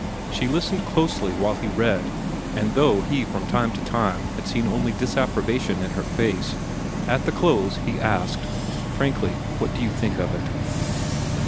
She listened closely while he read, and though he from time to time had seen only disapprobation in her face, at the close he asked: "Frankly, what do you think of it?"